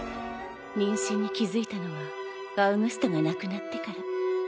妊娠に気付いたのはアウグストが亡くなってから。